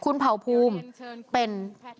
คุณเผ่าภูมิเป็น